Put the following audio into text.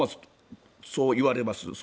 そういわれます。